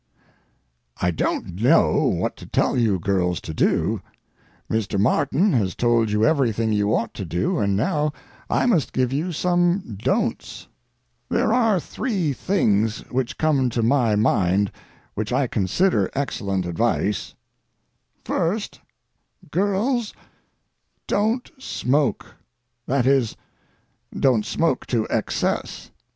I don't know what to tell you girls to do. Mr. Martin has told you everything you ought to do, and now I must give you some don'ts. There are three things which come to my mind which I consider excellent advice: First, girls, don't smoke—that is, don't smoke to excess.